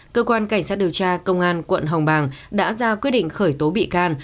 cơ quan cảnh sát điều tra công an quận hồng bàng đã ra quyết định khởi tố bị can